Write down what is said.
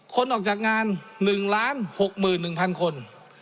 คนออกจากงาน๑๖๑๐๐๐คน